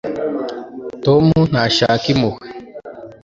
tom ntashaka impuhwe